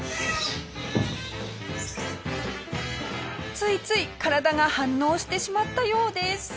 ついつい体が反応してしまったようです。